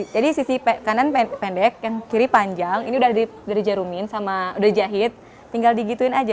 jadi sisi kanan pendek kiri panjang ini sudah dijarumin sudah dijahit tinggal digituin saja